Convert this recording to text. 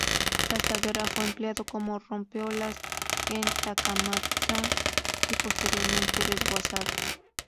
Tras la guerra fue empleado como rompeolas en Takamatsu, y posteriormente desguazado.